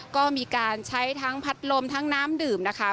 ก็มีการใช้ทั้งพัดลมทั้งน้ำดื่มนะคะ